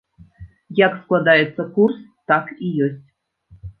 Як складаецца курс, так і ёсць.